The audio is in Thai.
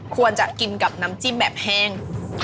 ควรจะกินกับน้ำจิ้มแบบแห้ง